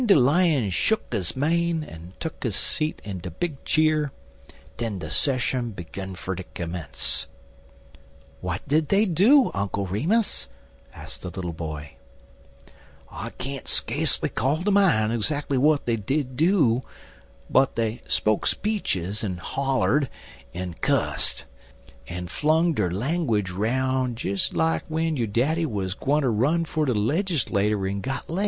En w'en de Lion shuck his mane, en tuck his seat in de big cheer, den de sesshun begun fer ter commence. "What did they do, Uncle Remus?" asked the little boy. "I can't skacely call to mine 'zackly w'at dey did do, but dey spoke speeches, en hollered, en cusst, en flung der langwidge 'roun' des like w'en yo' daddy wuz gwineter run fer de legislater en got lef'.